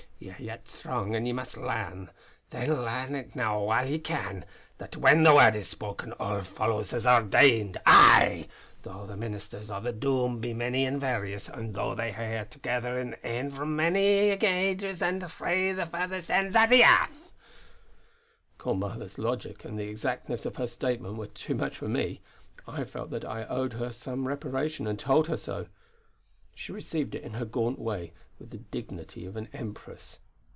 Ye are yet young and ye must learn; then learn it now whiles ye can, that when the Word is spoken all follows as ordained. Aye! though the Ministers o' the Doom be many an' various, an' though they hae to gather in ane from many ages an' frae the furthermost ends o' the airth!" Gormala's logic and the exactness of her statement were too much for me. I felt that I owed her some reparation and told her so. She received it in her gaunt way with the dignity of an empress.